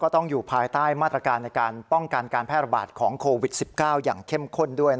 ต้องอยู่ภายใต้มาตรการในการป้องกันการแพร่ระบาดของโควิด๑๙อย่างเข้มข้นด้วย